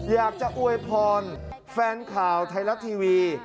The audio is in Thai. อยากจะอวยพรแฟนข่าวไทยรัฐทีวี